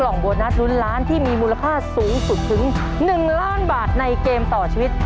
รุนล้านที่มีมูลภาพสูงสุดถึง๑ล้านบาทในเกมต่อชีวิต